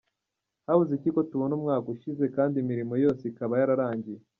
Habuze Iki ko tubona umwaka ushize kandi imirimo yose ikaba yararangiye?”.